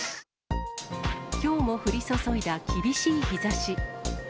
きょうも降り注いだ厳しい日ざし。